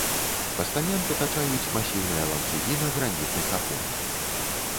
Пастамент атачаюць масіўныя ланцугі на гранітных апорах.